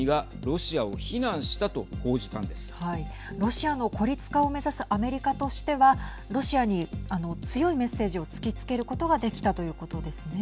ロシアの孤立化を目指すアメリカとしてはロシアに強いメッセージを突きつけることができたということですね。